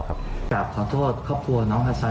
กราบขอโทษครอบครัวน้องฮาซ